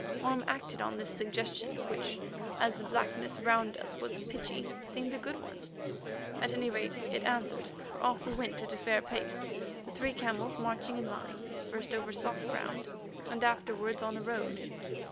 Orme acted on this suggestion, which, as the blackness round us was pitchy, seemed a good one. At any rate it answered, for off we went at a fair pace, the three camels marching in line, first over soft ground and afterwards on a road.